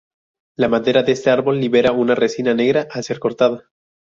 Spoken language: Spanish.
La madera de este árbol libera una resina negra al ser cortada.